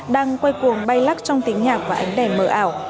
đang quay cuồng bay lắc trong tiếng nhạc và ánh đèn mờ ảo